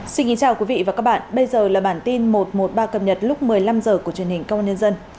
xin kính chào quý vị và các bạn bây giờ là bản tin một trăm một mươi ba cập nhật lúc một mươi năm h của truyền hình công an nhân dân